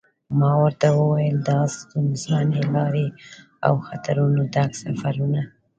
ما ورته و ویل دا ستونزمنې لارې او له خطرونو ډک سفرونه.